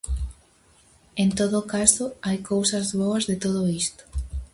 En todo caso, hai cousas boas de todo isto.